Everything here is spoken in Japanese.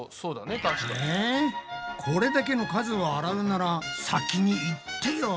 えこれだけの数を洗うなら先に言ってよ！